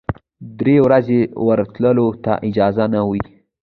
درې ورځې ورتللو ته اجازه نه وه.